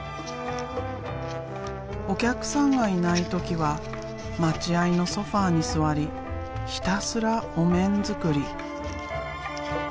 お客さんがいない時は待合のソファーに座りひたすらお面作り。